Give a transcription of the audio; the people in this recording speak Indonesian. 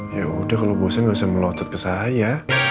ya udah kalau bosen gausah melotot ke saya